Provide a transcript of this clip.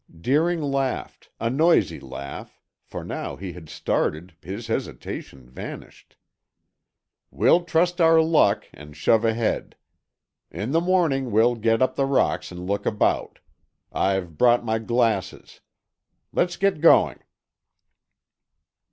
Deering laughed, a noisy laugh, for now he had started, his hesitation vanished. "We'll trust our luck and shove ahead. In the morning we'll get up the rocks and look about. I've brought my glasses. Let's get going."